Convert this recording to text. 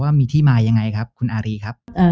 ว่ามีที่มายังไงครับคุณอารีครับ